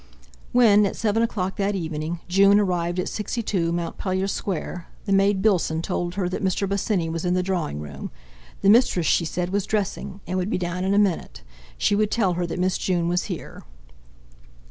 When, at seven o'clock that evening, June arrived at 62, Montpellier Square, the maid Bilson told her that Mr. Bosinney was in the drawing room; the mistress—she said—was dressing, and would be down in a minute. She would tell her that Miss June was here.